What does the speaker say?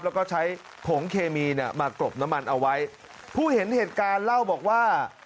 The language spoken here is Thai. แล้วก็ใช้ผงเคมีเนี่ยมากรบน้ำมันเอาไว้ผู้เห็นเหตุการณ์เล่าบอกว่า